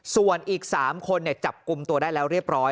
ส่วนอีก๓คนจับกลุ่มตัวได้แล้วเรียบร้อย